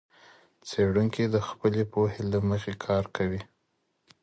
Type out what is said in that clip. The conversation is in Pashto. څېړونکی د خپلي پوهي له مخې کار کوي.